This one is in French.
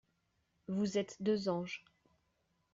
Vous êtes deux anges.